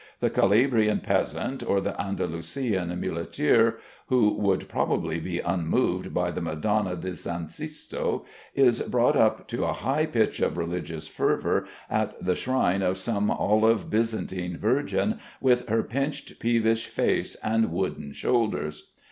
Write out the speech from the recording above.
The Calabrian peasant, or the Andalusian muleteer, who would probably be unmoved by the Madonna di S. Sisto, is wrought up to a high pitch of religious fervor at the shrine of some olive Byzantine Virgin, with her pinched peevish face and wooden shoulders.